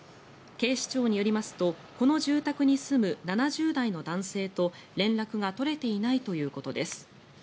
警視庁によりますとこの住宅に住む７０代の男性と連絡が取れていないということです。